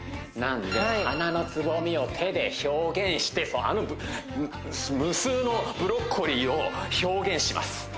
なんで花のつぼみを手で表現してあの無数のブロッコリーを表現します